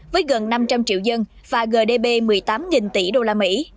với gần năm trăm linh triệu dân và gdp một mươi tám tỷ usd